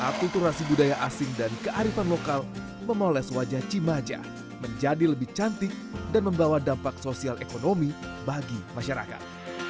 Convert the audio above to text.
akulturasi budaya asing dan kearifan lokal memoles wajah cimaja menjadi lebih cantik dan membawa dampak sosial ekonomi bagi masyarakat